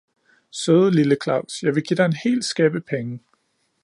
Søde lille Claus, jeg vil give dig en hel skæppe penge.